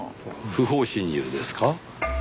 不法侵入ですか？